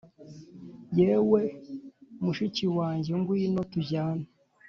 Yewe mushiki wanjye ngwino tujyane